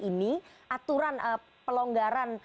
ini aturan pelonggaran